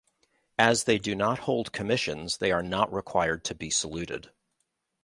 As they do not hold commissions they are not required to be saluted.